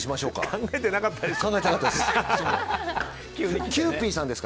考えてなかったです。